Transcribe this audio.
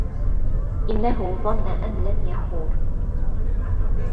إِنَّهُ ظَنَّ أَن لَن يَحورَ